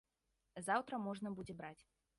Заўтра можна будзе браць.